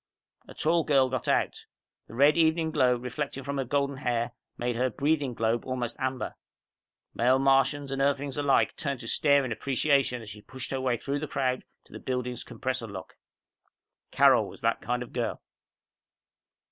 A tall girl got out. The red evening glow reflecting from her golden hair, made her breathing globe almost amber. Male Martians and Earthlings alike turned to stare in appreciation as she pushed her way through the crowd to the building's compressor lock. Carol was that kind of girl.